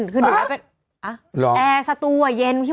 คือหนูแหบเป็นแอร์สตัวเย็นพี่มศน่ะหรอ